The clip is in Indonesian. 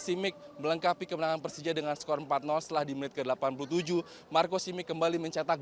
simic melengkapi kemenangan persija dengan skor empat puluh setelah di menit ke delapan puluh tujuh marco simic kembali mencetak